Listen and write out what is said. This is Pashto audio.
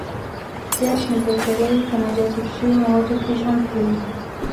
زیات شمېر بکتریاوي په ناجذب شوو موادو کې ژوند کوي.